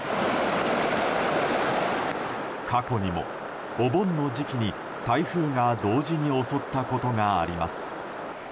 過去にもお盆の時期に、台風が同時に襲ったことがあります。